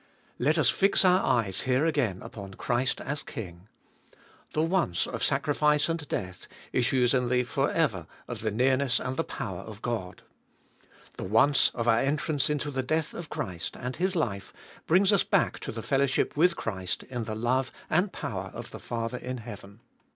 Let us fix o.ur eyes here again upon Christ as King. The once of sacrifice and death issues in the for ever of the nearness and the power of God. The once of our entrance into the death of Christ and His life, brings us back to the fellowship with Christ in the love and power of the Father in heaven.